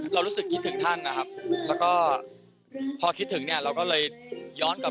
เรารู้สึกคิดถึงท่านนะครับ